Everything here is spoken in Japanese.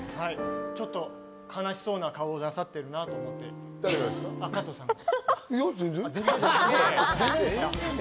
ちょっと悲しそうな顔をなさってるなぁと思って、加藤さんが。